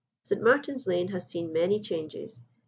St. Martin's Lane has seen many changes.